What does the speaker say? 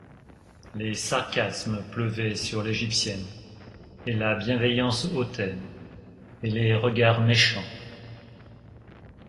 Les sarcasmes pleuvaient sur l’égyptienne, et la bienveillance hautaine, et les regards méchants.